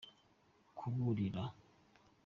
kuburira.